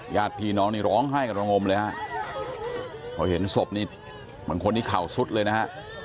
ญาติพี่น้องนี่ร้องไห้กันระงมเลยฮะพอเห็นศพนี่บางคนนี้เข่าสุดเลยนะฮะ